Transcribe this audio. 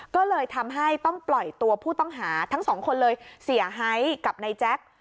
ก็เลยทำให้ต้องปล่อยตัวผู้ต้องหาทั้งสองคนเลยเสียหายกับนายแจ๊ค